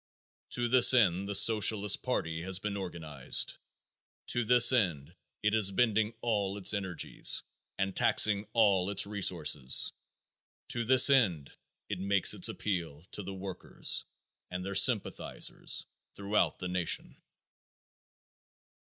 To this end the Socialist party has been organized; to this end it is bending all its energies and taxing all its resources; to this end it makes its appeal to the workers and their sympathizers throughout the nation.